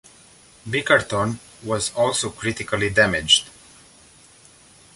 "Bickerton" was also critically damaged.